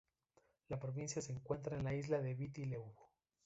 La provincia se encuentra en la isla de Viti Levu.